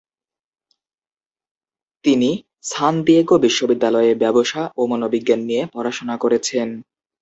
তিনি San Diego বিশ্ববিদ্যালয়ে ব্যবসা ও মনোবিজ্ঞান নিয়ে পড়াশোনা করেছেন।